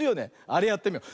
あれやってみよう。